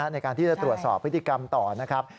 ในการที่จะตรวจสอบพฤติกรรมต่อนะครับ